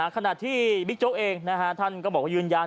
ขณะที่บิ๊กโจ๊กเองท่านก็บอกว่ายืนยัน